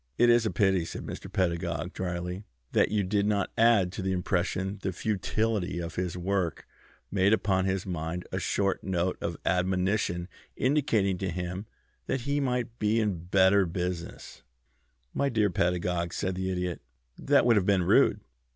"It is a pity," said Mr. Pedagog, dryly, "that you did not add to the impression the futility of his work made upon his mind a short note of admonition indicating to him that he might be in better business." "My dear Mr. Pedagog," said the Idiot, "that would have been rude.